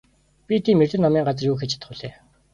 Би тийм эрдэм номын газар юу хийж чадах билээ?